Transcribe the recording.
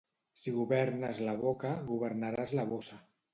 Si governes la boca, governaràs la bossa.